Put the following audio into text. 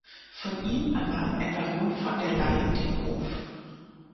Von ihm erwarb ein Baron von der Leyen den Hof.